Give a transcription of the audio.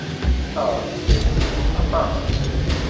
Aɣref yella iḥemmel-ikent aṭas.